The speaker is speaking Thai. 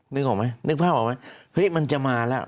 นึกออกไหมนึกภาพออกไหมเฮ้ยมันจะมาแล้ว